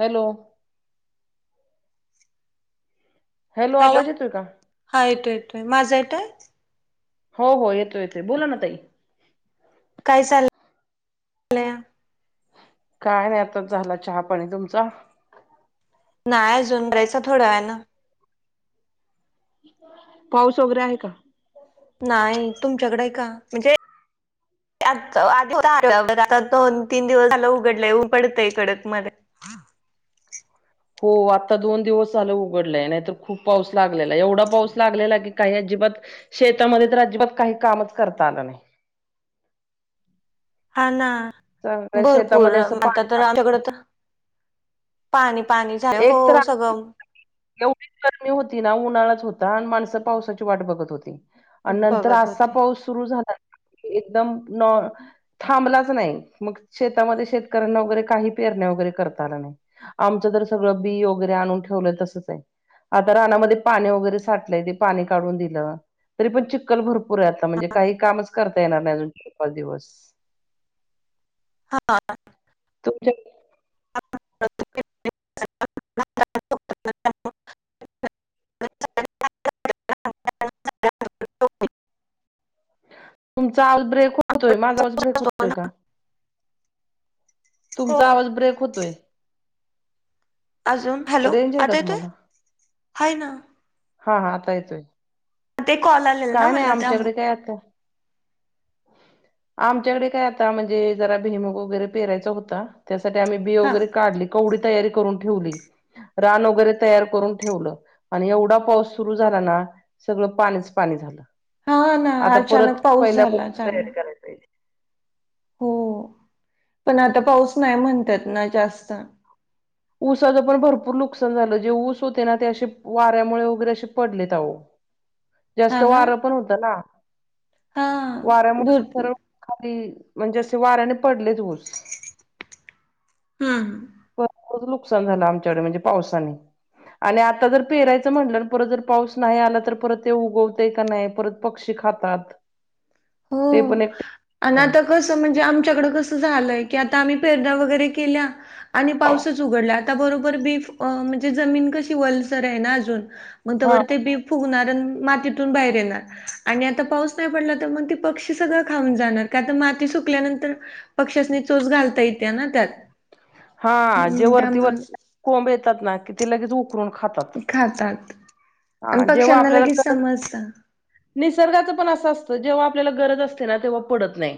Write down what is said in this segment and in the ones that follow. Hello. Hello आवाज येतोय का. हा येतोय येतोय, माझा येतोय. हो हो.. येतो येतोय, बोला ना ताई. काय चाललं. लया काय नाही आताच झाला, चहा पाणी तुमचा. नाही अजून करायचं, थोडा वेळान. पाऊस वगैरे आहे कां. नाही तुमच्याकडे आहे का? म्हणजे. आत आता आल दोन, तीन दिवस झालं उघडलंय उघडतय कडक मध्ये. [inaudible] हो आत्ता दोन दिवस झाले उघडलंय, नाहीतर खूप पाऊस लागलेला. एवढा पाऊस लागलेला की, काही अजिबात. शेतामध्ये तर, अजिबात काही कामच करता आलं नाही. हा ना सगळ्या भरपूर शेतामध्ये असं पा आता, तर आमच्याकड तर. पाणी पाणी झाल हो एक तर सगळं. एवढीच गरमी होती ना, उन्हाळाच होता आणि माणसं पावसाची वाट बघत होती. आणि नंतर बघत असा होते पाऊस सुरू झाला एकदम नॉ थांबलाच नाही मग, शेतामध्ये शेतकऱ्यांना वगैरे काही पेरण्या वगैरे करता आलं नाही. आमचं जर सगळं बी वगैरे, आणून ठेवलय तसंच. आता रानामध्ये पाणी वगैरे साठलेय ते पाणी काढून दिलं तरी पण ची चिकल भरपूर आहे आता म्हहणजे काही कामच करता येणार नाही अजून तीन, पाच दिवस हा. तुमच्या तुमचा आवाज ब्रेक होतोय माझा आवाज ब्रेक होतोय का? हो तुमचा आवाज ब्रेक होतोय. अजून हॅलो रेंज आहे का आता येतोय? तुम्हाला? हाय ना. हा हा आता येतोय ते कॉल आलेला ना काय नाय मला आमच्याकडे त्यामुळे ते आता. [inaudible] आमच्याकडे काय आता म्हणजे जरा भुईमूग वगैरे पेरायचा होता. त्यासाठी आम्ही बि हा वगैरे काढली कवडी तयारी करून ठेवली. रान वगैरे तयार करून ठेवलं आणि एवढा पाऊस सुरू झाला ना. सगळ पाणीच पाणी झालं. हा ना आता अचानक परत पाऊस पहिल्या झाला पासून चालू तयारी करावी हो पण आता पाऊस नाही म्हणतात ना जास्त. ऊसाचं पण भरपूर नुकसान झालं जे ऊस होते ना ते असे वाऱ्यामुळे वगैरे असे पडलेत अहो. जास्त ना वारं पण होत ना. हा वाऱ्यामुळे भरपूर सरळ खाली म्हणजे असे वाऱ्याने पडलेत ऊस. [inaudible] [unintelligible] खूप नुकसान झालं आमच्याकडे म्हणजे पावसाने. आणि, आता जर पेरायचं म्हटलं परत जर पाऊस नाही आला, तर परत ते उगवतय का नाही. परत पक्षी खातात. ते पण हो एक अन् आता कसं, म्हणजे आमच्याकडे कसं झालंय की, आता आम्ही पेरण्या वगैरे केल्या आणि पाऊसच उघडला. त्या बरोबर बीफ अ म्हणजे जमीन कशी वलसर आहे ना अजून, मग हा तवर ते बीफ फुगणार आणि मातीतून बाहेर येणार आणि आता पाऊस नाही पडला तर मग पक्षी सगळं खाऊन जाणार का तर माती सुकल्यानंतर पक्षासनी चोच घालता येते ना त्यात. हा जे मग वरती- त्यामुळे वरती कोंब येतात ना, की ते लगेच येऊन खातात. ते खातात हा आणि जेव्हा पक्ष्यांना आपल्याला लगेच समजत निसर्गाचं पण असं असतं, जेव्हा आपल्याला गरज असते ना तेव्हा पडत नाही.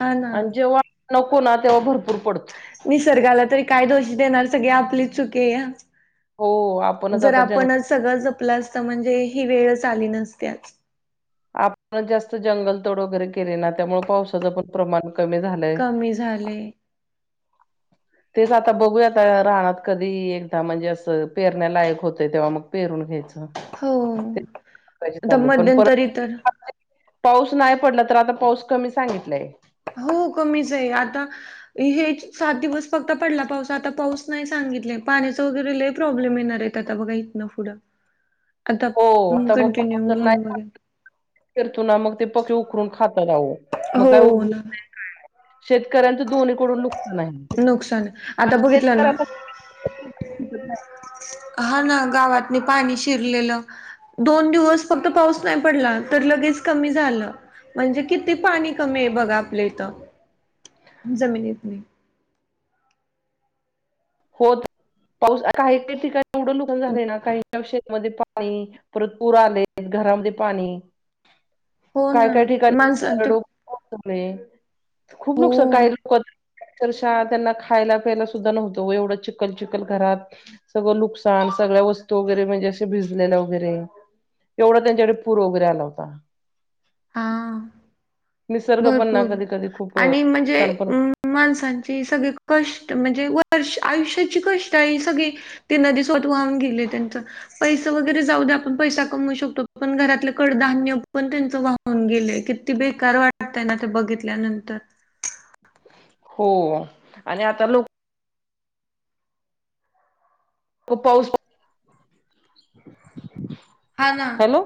हा ना आणि जेव्हा नको ना तेव्हा भरपूर पडतो. निसर्गाला तरी काय दोष देणार सगळी आपलीच चुक आहे. हो आपणच जर आता जंग आपणच सगळं जपलं असतं, म्हणजे ही वेळच आली नसते आज. आपणच जास्त जंगलतोड वगैरे केले ना, त्यामुळे पावसाचं पण प्रमाण कमी झालंय. कमी झाले. तेच आता बघूयात, रानात कधी एकदा म्हणजे असं पेरण्यालायक होतं, तेव्हा मग पेरून घ्यायचं. हो आता ते [inaudible] पण मध्यंतरी परत तर [inaudible] पाऊस नाही पडला तर, आता पाऊस कमी सांगितलाय. हो कमीच आहे आता हेच सात दिवस फक्त पडला पाऊस, आता पाऊस नाही सांगितलं, पाण्याच वगैरे लय प्रॉब्लेम येणार आहेत. आता बघा इथंन पुढं. [inaudible] आता कंटिन्यून ऊन मध्ये. करतो ना मग ते पके उखरून खातात अहो, मग काय हो उपयोग ना नाय काय नाय. शेतकऱ्यांचं दोन्हीकडून नुकसान आहे, नुकसान आता पाऊस तेच बघितलं ना करायला. [unintelligible] हा ना गावातनी पाणी शिरलेलं. दोन दिवस फक्त पाऊस नाही पडला तर लगेच कमी झालं म्हणजे किती पाणी कमी आहे बघा आपल्या इथं. जमिनीतनी. हो पाऊस, काही काही ठिकाणी एवढं नुकसान झाले ना, काही काही शेतामध्ये पाणी, परत पूर आले घरामध्ये पाणी. हो काय ना. काय ठिकाणी माणसां ते खूप लोक [inaudible] हो काही लोक [inaudible] अक्षरशा त्यांना खायला पियला सुद्धा नव्हतो एवढं चिखल चिखल घरात. सगळं नुकसान सगळ्या वस्तू वगैरे म्हणजे असे भिजलेला वगैरे एवढा त्यांच्याकडे पूर वगैरे आला होता. हा निसर्ग पण ना भरपूर कधी कधी खूप आणि म्हणजे नुकसान पण अम माणसांची सगळे कष्ट म्हणजे वर्ष आयुष्याची कष्ट आहे हे सगळी ते नदी स्वत वाहून गेले त्यांच पैसे वगैरे जाऊ द्या आपण पैसा कमवू शकतो पण घरातलं कडधान्य पण त्यांच वा होऊन गेले किती बेकार वाटतय ना ते बघितल्यानंतर. हो आणि आता लोक हो पाऊस हा ना. हॅलो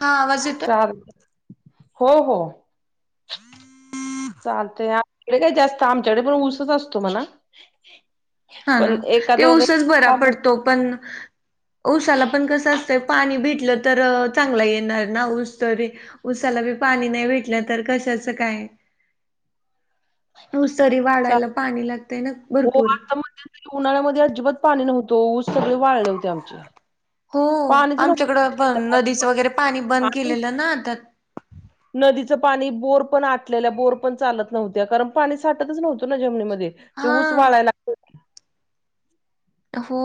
हा आवाज येतो चाल हो हो. चालतय आपलं काय जास्त आमच्याकडे पण ऊसच असतो म्हणा हा ना पण ते एखादं उसच बरा वगैरे पडतो पण ऊसाला पण कसं असतंय पाणी भेटलं तर चांगला येणार ना ऊस तरी उसाला बी पाणी नाही भेटलं तर कशाचं काय. [inaudible] ऊस तरी चाल. वाढायला पाणी लागतय ना हो भरपूर. आता मध्यंतरी उन्हाळ्यामध्ये अजिबात पाणी नव्हतो सगळे वाळले होते आमचे. हो पाणीच नव्हतं आमच्याकडं पण शेतात नदीचं वगैरे पाणी बंद आणि केलेलं ना आता. नदीचं पाणी बोर पण आटलेलं बोर पण चालत नव्हत्या कारण पाणी साठतच नव्हतं ना जमनीमध्ये. ते हा ऊस वाढाय लागतंय हो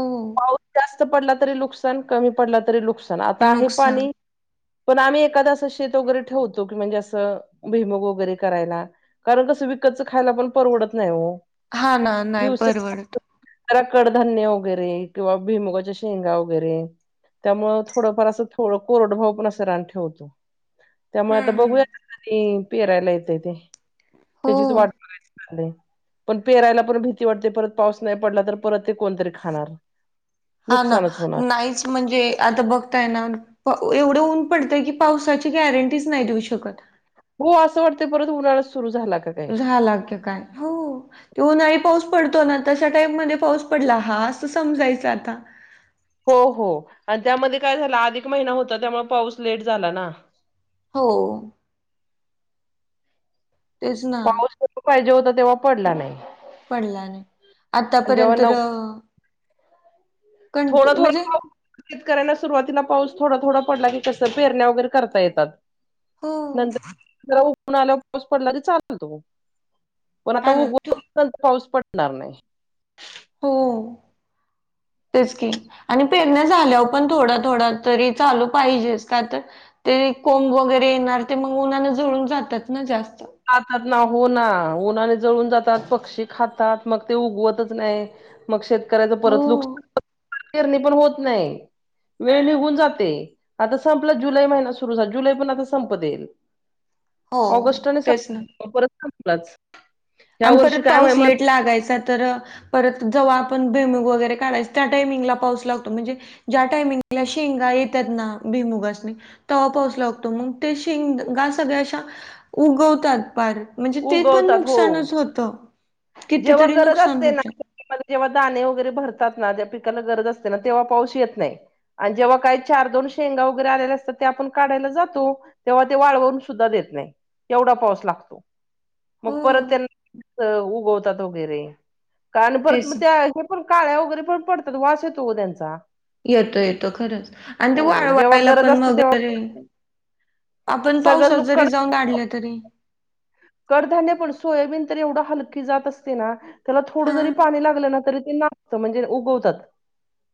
पाऊस जास्त पडला तरी नुकसान कमी पडला तरी नुकसान आता आहे नुकसान पाणी. पण आम्ही एखाद असं शेत वगैरे ठेवतो की म्हणजे असं भिमोग वगैरे करायला. कारण कसं विकतचं खायला पण परवडत नाही हो हा ना नाही दिवसे परवडत. जरा कडधान्य वगैरे किंवा भिमुगाच्या शेंगा वगैरे. त्यामुळं थोडंफार असं थोडं कोरड भाव पण असं रान ठेवतो. त्यामुळे हम्म आता बघूया हम्म ते पेरायला येतय ते त्याचीच हो वाट बघायचं पण पेरायला पण भीती वाटते परत पाऊस नाही पडला तर परत ते कोणतरी खाणार. हा ना नुकसानच होणार नाहीच म्हणजे आता बघताय ना एवढं ऊन पडतंय की पावसाची गॅरंटीच नाही देऊ शकत. हो असं वाटतय परत उन्हाळाच सुरू झाला का. काय झाला की काय हो. ते उन्हाळीत पाऊस पडतो ना तशा टाईम मध्ये पाऊस पडला हा असं समजायच आता. हो हो आणि त्यामध्ये काय झालं अधिक महिना होता त्यामुळे पाऊस लेट झाला ना. हो. तेच ना त्यामुळेस जिथं पाहिजे होता तेव्हा पडला नाही. पडला नाही आणि जेव्हा आतापर्यंत न कंट थोडा थोडा म्हणजे पाऊस शेतकऱ्यांना सुरुवातीला पाऊस थोडा थोडा पडला की कसं पेरण्या वगैरे करता येतात. हो नंतर जरा ऊन आल्यावर पाऊस पडला तर चालतो. पण आता हा ना तू उघंच पाऊस पडणार नाही. हो तेच की. आणि पेरण्या झाल्यावर पण थोडा थोडा तरी चालू पाहिजेच, का तर ते कोंब वगैरे येणार ते मग उन्हानं जळून जातात ना जास्त. खातात ना हो ना. उन्हाळ्यात जळून जातात, पक्षी खातात मग ते उगवतच नाही. मग शेतकऱ्याच हो. परत नुकसान पेरणी पण होत नाही. वेळ निघून जाते. आता संपला जुलै महिना सुरू झाल जुलै पण आता संपत येईल. हो ऑगस्टने सं तेच ना मग परत [unintelligible] लाच. आणि परत पाऊस लेट लागायचा. तर परत जवा आपण भुईमुग वगैरे काढायचं त्या टायमिंगला पाऊस लागतो. म्हणजे ज्या टाइमिंगला शेंगा येत्यात ना भुईमुगासनी तवा पाऊस लागतो, मग ते शेंगा सगळ्या अशा उगवतात बारीक. म्हणजे ते पण उगवतात हो. नुकसानच होतं. जेव्हा कितीतरी गरज नुकसान असते ना होतंय. जेव्हा दाणे वगैरे भरतात ना त्या पिकाला गरज असते ना तेव्हा पाऊस येत नाही. आणि जेव्हा काही चार दोन शेंगा वगैरे आलेले असतात ते आपण काढायला जातो. तेव्हा ते वाळवून सुद्धा देत नाही, एवढा पाऊस लागतो. मग हो परत त्यांना उगवतात वगैरे कारण परत मग तेच ना. त्या पण काळ्या वगैरे पण पडतात. वास येतो ओ त्यांचा येतो येतो खरंच आणि ते हो जेव्हा वाळवायला गरज पण असते तेव्हा वगैरे पडत नाही. आपण सगळंच पावसात लोक जरी कड जाऊन काढल्या तरी कडधान्य पण सोयाबीन तर एवढं हलकी जात असते ना त्याला थोडं जरी हा पाणी लागलं ना तरी ते नाचत म्हणजे उगवतात.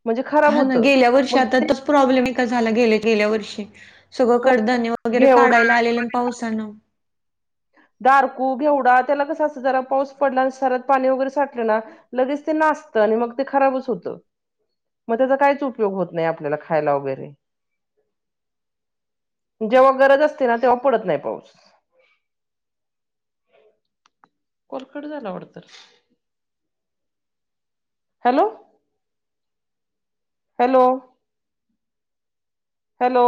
म्हणजे खराब हा ना होतं गेल्या वर्षी मग आता ते तर प्रॉब्लेम नाही का झाला गे-गेल्या वर्षी. सगळं हो, कडधान्य वगैरे घेवडा काढायला आलेलं आणि पावसानं दारकू घेवडा त्याला कस असं जरा पाऊस पडलं आणि सऱ्यात पाणी वगैरे साठलं ना लगेच ते नासतं आणि मग ते खराबच होतं. मग त्याचा कायच उपयोग होत नाही आपल्याला खायाला वगैरे. जेव्हा गरज असते ना, तेव्हा पडत नाही पाऊस. कॉल कट झाला वाटतं. Hello. Hello. Hello.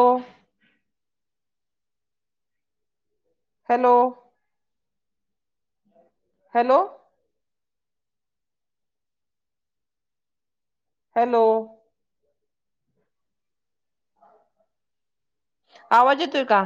Hello. Hello. Hello. आवाज येतोय का?